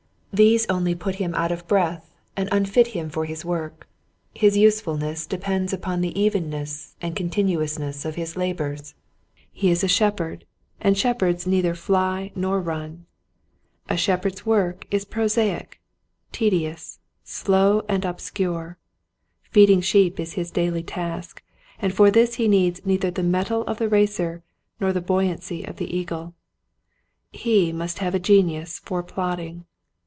These only put him out of breath and unfit him for his work. His usefulness depends upon the evenness and continuousness of his labors. He is a shepherd and shepherds neither fly nor 200 Quiet Hints to Growing Preachers. run. A shepherd's work is prosaic, tedi ous, slow and obscure. Feeding sheep is his daily task and for this he needs neither the mettle of the racer nor the buoyancy of the eagle. He must have a genius for plodding.